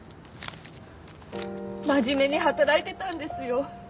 真面目に働いてたんですよ